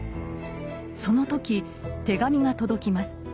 その時手紙が届きます。